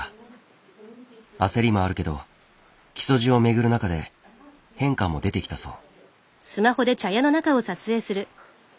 焦りもあるけど木曽路を巡る中で変化も出てきたそう。